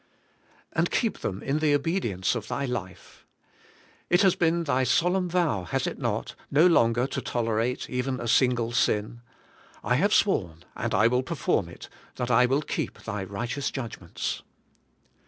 And keep them in the obedience of thy life. It has been thy solemn vow^ — has it not? — no longer to tolerate even a single sin: 'I have sworn, and I will perform it, that I will keep Thy righteous judg ments.'